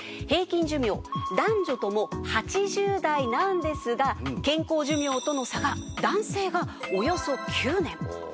平均寿命男女とも８０代なんですが健康寿命との差が男性がおよそ９年。